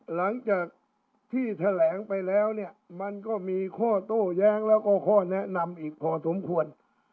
หลังจากที่แถลงไปแล้วเนี่ยมันก็มีข้อโต้แย้งแล้วก็ข้อแนะนำอีกพอสมควร